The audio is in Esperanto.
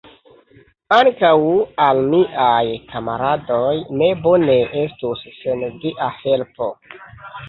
Ankaŭ al miaj kamaradoj ne bone estus sen via helpo!